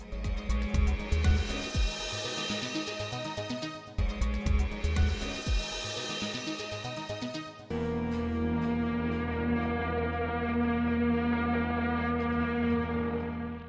tarsam juga dipercaya oleh warga kampung